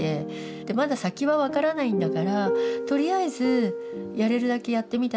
でまだ先は分からないんだからとりあえずやれるだけやってみたらいいんだ。